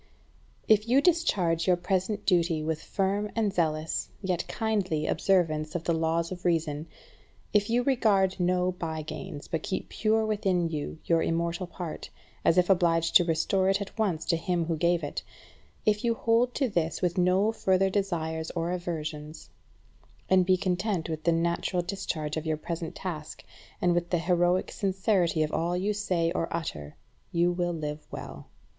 12. If you discharge your present duty with firm and zealous, yet kindly, observance of the laws of reason; if you regard no by gains, but keep pure within you your immortal part, as if obliged to restore it at once to him who gave it; if you hold to this with no further desires or aversions, and be content with the natural discharge of your present task, and with the heroic sincerity of all you say or utter, you will live well.